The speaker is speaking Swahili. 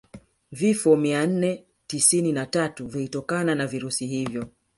Vifo mia nne tisini na tatu vilitokana na virusi hivyo